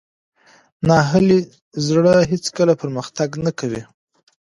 ناهیلي زړه هېڅکله پرمختګ نه کوي.